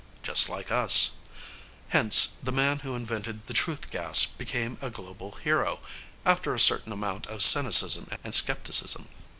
Just like us. Hence, the man who invented the truth gas became a global hero, after a certain amount of cynicism and skepticism.